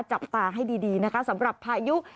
จับตาให้ดีนะคะสำหรับพายุ